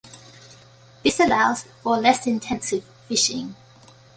This allows for less-intensive fishing.